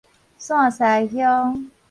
線西鄉